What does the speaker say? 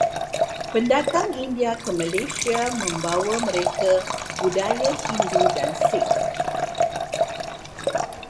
Pendatang India ke Malaysia membawa mereka budaya Hindu dan Sikh.